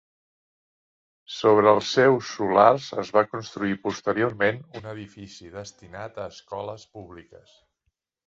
Sobre els seus solars es va construir posteriorment un edifici destinat a escoles públiques.